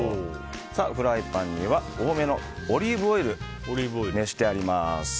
フライパンには多めのオリーブオイルを熱してあります。